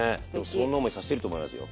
そんな思いさしてると思いますよ。